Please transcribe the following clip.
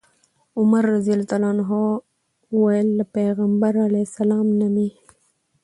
عمر رضي الله عنه وويل: له پيغمبر عليه السلام نه مي